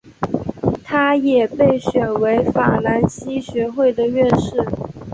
他也被选为法兰西学会的院士。